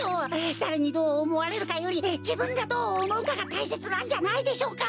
だれにどうおもわれるかよりじぶんがどうおもうかがたいせつなんじゃないでしょうか？